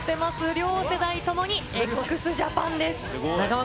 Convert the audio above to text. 両世代ともにＸＪＡＰＡＮです。